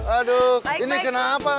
aduh ini kenapa